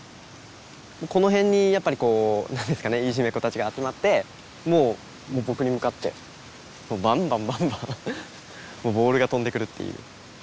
この辺にやっぱりこう何ですかねいじめっ子たちが集まってもう僕に向かってバンバンバンバンもうボールが飛んでくるっていう。